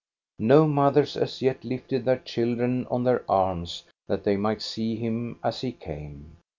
No mothers as yet lifted their chil dren on their arms that they might see him as he came.